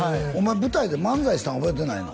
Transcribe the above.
舞台で漫才したん覚えてないの？